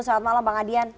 selamat malam bang adian